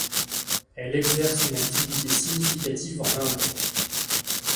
Elle exerce une activité significative en Inde.